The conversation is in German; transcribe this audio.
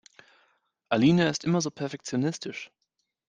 Alina ist immer so perfektionistisch.